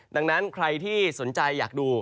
ดังนั้นใครที่สนใจอยากดู